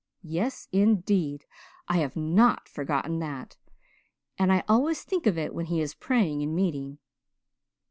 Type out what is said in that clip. Yes, indeed, I have not forgotten that, and I always think of it when he is praying in meeting.